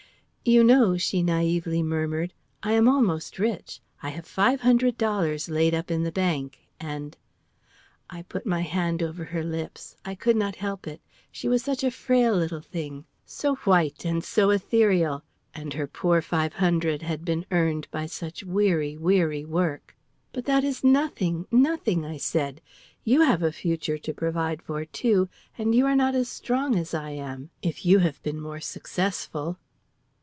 "You know," she naively murmured, "I am almost rich; I have five hundred dollars laid up in the bank, and " I put my hand over her lips; I could not help it. She was such a frail little thing, so white and so ethereal, and her poor five hundred had been earned by such weary, weary work. "But that is nothing, nothing," I said. "You have a future to provide for, too, and you are not as strong as I am, if you have been more successful."